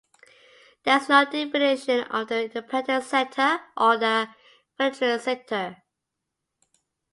There is no definition of the ‘independent sector’ or the ‘voluntary sector’.